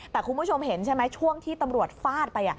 แต่คุณผู้ชมเห็นใช่ไหมช่วงที่ตำรวจฟาดไป